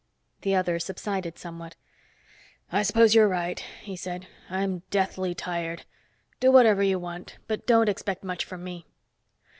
The other subsided somewhat. "I suppose you're right," he said. "I'm deathly tired. Do whatever you want. But don't expect much from me."